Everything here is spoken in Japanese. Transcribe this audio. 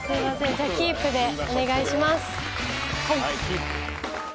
じゃあキープでお願いします。